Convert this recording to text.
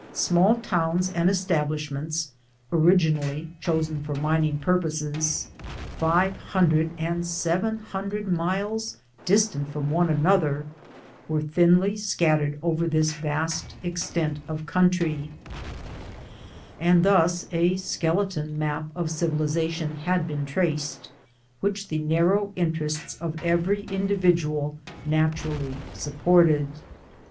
Small towns and establishments, (originally chosen for mining purposes,) five hundred and seven hundred miles distant from each other, were thinly scattered over this vast extent of country t and thus a skeletcm map of civilisation had been traced, which the narrow intarests of every indi vidual naturally supported.